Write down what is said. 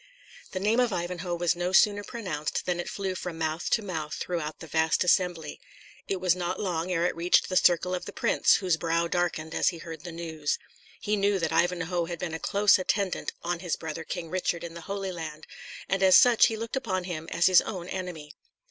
The name of Ivanhoe was no sooner pronounced than it flew from mouth to mouth throughout the vast assembly. It was not long ere it reached the circle of the prince, whose brow darkened as he heard the news. He knew that Ivanhoe had been a close attendant on his brother King Richard in the Holy Land; and as such he looked upon him as his own enemy.